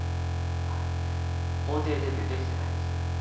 法廷デビューできてないんです。